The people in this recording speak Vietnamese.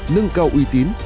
nâng cao uy tín